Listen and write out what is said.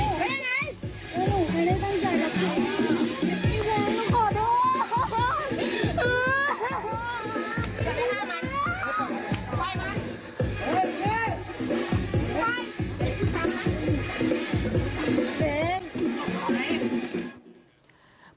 เตรียม